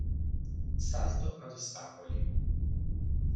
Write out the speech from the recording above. Salto ad ostacoli.